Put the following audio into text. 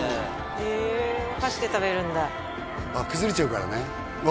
へえお箸で食べるんだ崩れちゃうからねうわ